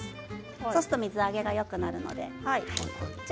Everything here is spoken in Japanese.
そうすると水あげがよくなるので。